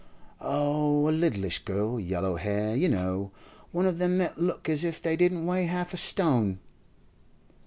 'Oh, a littlish girl—yellow hair, you know—one of them that look as if they didn't weigh half a stone.